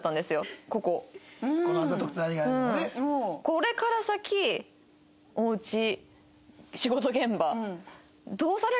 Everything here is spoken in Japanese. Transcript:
これから先お家仕事現場。